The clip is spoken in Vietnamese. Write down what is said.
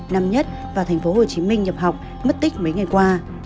nam nhất vào tp hcm nhập học mất tích mấy ngày qua